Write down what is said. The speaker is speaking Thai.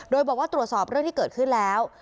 โดยบอกว่าตรวจสอบเรื่องที่เกิดขึ้นแล้ว